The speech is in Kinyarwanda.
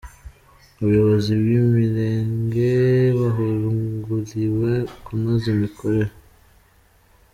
Abayobozi b’imirenge bahuguriwe kunoza imikorere